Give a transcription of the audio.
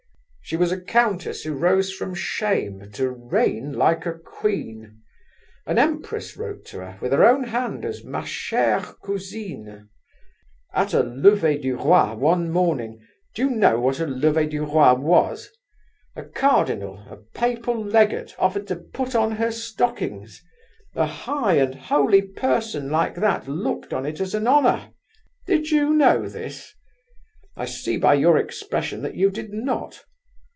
"She was a Countess who rose from shame to reign like a Queen. An Empress wrote to her, with her own hand, as 'Ma chère cousine.' At a lever du roi one morning (do you know what a lever du roi was?)—a Cardinal, a Papal legate, offered to put on her stockings; a high and holy person like that looked on it as an honour! Did you know this? I see by your expression that you did not!